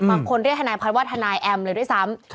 บางคนเรียกทนายพัฒน์ว่าทนายแอมเลยด้วยซ้ำ